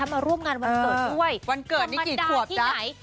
มาร่วมงานวันเกิดด้วยวันเกิดนี้กี่ขวบที่ไหน